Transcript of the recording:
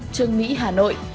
trường mỹ hà nội